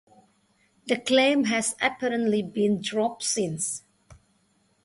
The claim has apparently been dropped since.